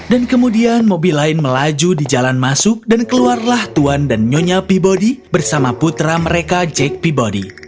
dan kemudian mobil lain melaju di jalan masuk dan keluarlah tuan dan nyonya peabody bersama putra mereka jack peabody